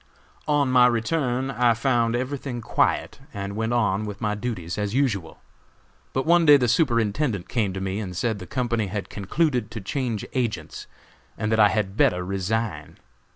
"On my return I found everything quiet, and went on with my duties as usual; but one day the Superintendent came to me and said the company had concluded to change agents, and that I had better resign.